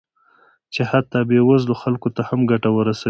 چې حتی بې وزلو خلکو ته هم ګټه رسوي